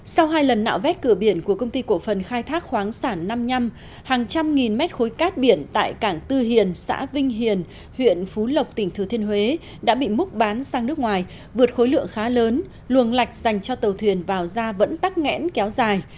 sau hai lần nạo vét cửa biển của công ty cổ phần khai thác khoáng sản năm mươi năm hàng trăm nghìn mét khối cát biển tại cảng tư hiền xã vinh hiền huyện phú lộc tỉnh thừa thiên huế đã bị múc bán sang nước ngoài vượt khối lượng khá lớn luồng lạch dành cho tàu thuyền vào ra vẫn tắc nghẽn kéo dài